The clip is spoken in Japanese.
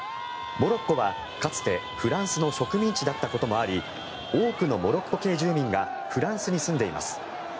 モロッコは、かつてフランスの植民地だったこともあり多くのモロッコ系住民がフランスに住んでいます。